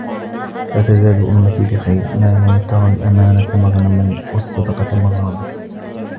لَا تَزَالُ أُمَّتِي بِخَيْرٍ مَا لَمْ تَرَ الْأَمَانَةَ مَغْنَمًا وَالصَّدَقَةَ مَغْرَمًا